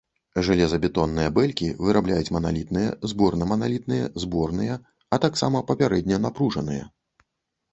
Жалезабетонныя бэлькі вырабляюць маналітныя, зборнаманалітныя і зборныя, а таксама папярэдне напружаныя.